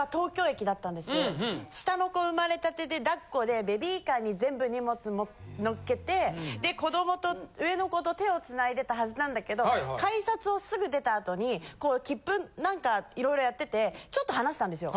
下の子生まれたてでだっこでベビーカーに全部荷物のっけてで子どもと上の子と手を繋いでたはずなんだけど改札をすぐ出た後に切符何か色々やっててちょっと離したんですよ。